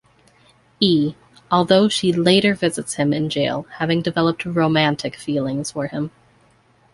E, though she later visits him in jail having developed romantic feelings for him.